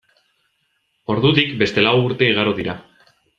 Ordutik beste lau urte igaro dira.